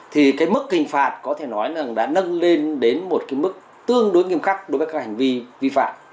thì cái mức hình phạt có thể nói là đã nâng lên đến một cái mức tương đối nghiêm khắc đối với các hành vi vi phạm